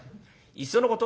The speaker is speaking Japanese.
いっそのこと